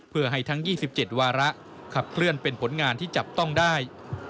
เพื่อให้ทั้ง๒๗วาระขับเคลื่อนเป็นผลงานที่จับต้องได้